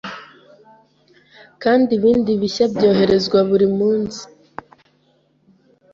kandi ibindi bishya byoherezwa buri munsi.